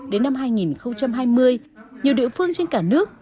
đến năm hai nghìn hai mươi nhiều địa phương trên cả nước